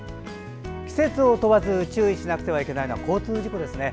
季節を問わず注意しなくてはいけないのは交通事故ですね。